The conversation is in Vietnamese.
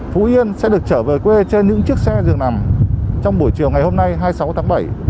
phú yên sẽ được trở về quê trên những chiếc xe dường nằm trong buổi chiều ngày hôm nay hai mươi sáu tháng bảy